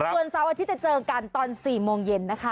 ส่วนเสาร์อาทิตย์จะเจอกันตอน๔โมงเย็นนะคะ